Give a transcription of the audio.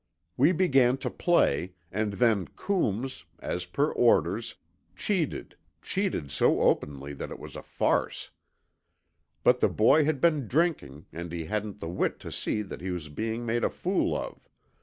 We began to play, and then Coombs, as per orders, cheated, cheated so openly it was a farce. But the boy had been drinking and he hadn't the wit to see that he was being made a fool of.